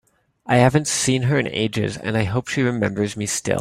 I haven’t seen her in ages, and I hope she remembers me still!